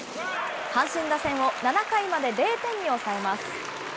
阪神打線を７回まで０点に抑えます。